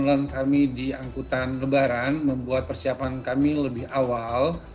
perjalanan kami di angkutan lebaran membuat persiapan kami lebih awal